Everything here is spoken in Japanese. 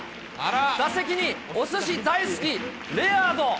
打席におすし大好き、レアード。